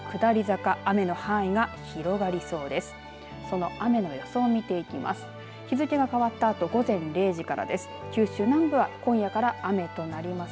その雨の予想を見ていきます。